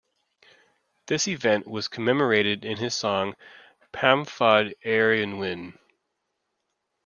This event was commemorated in his song Pam fod eira'n wyn?